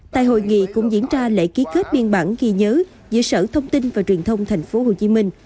tại hội nghị cũng diễn ra lễ ký kết biên bản ghi nhớ giữa sở thông tin và truyền thông thành phố hồ chí minh